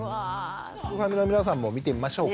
すくファミの皆さんも見てみましょうか。